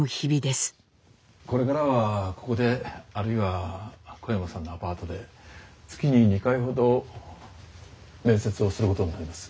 これからはここであるいは小山さんのアパートで月に２回ほど面接をすることになります。